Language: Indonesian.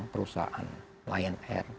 perusahaan layan air